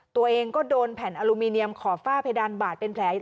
ตัวเองก็โดนแผ่นอลูมิเนียมขอบฝ้าเพดานบาดเป็นแผล